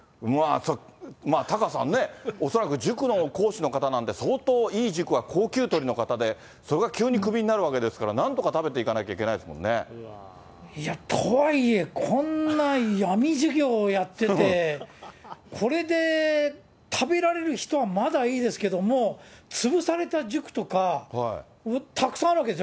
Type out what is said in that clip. まあ、タカさんね、恐らく塾の講師の方なんて相当、いい塾は高給取りの方で、それが急にクビになるわけですから、なんとか食べていかなきゃいとはいえ、こんな闇授業をやってて、これで食べられる人はまだいいですけれども、潰された塾とかたくさんあるわけでしょ。